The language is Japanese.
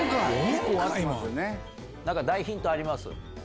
大ヒントあります。